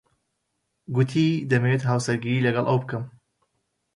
گوتی دەمەوێت هاوسەرگیری لەگەڵ ئەو بکەم.